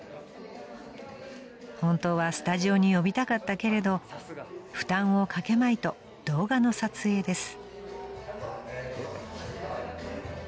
［本当はスタジオに呼びたかったけれど負担をかけまいと動画の撮影です］